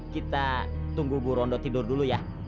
kita tunggu burondok tidur dulu ya